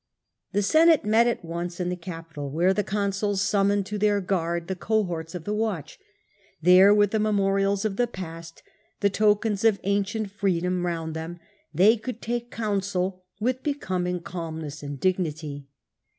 The Senate met at once in the Capitol, where the consuls summoned to their guard the cohorts of the watch. There, with the memorials of the past, the tokens of ancient freedom, round them, they could take counsel with becoming calmness and dignity.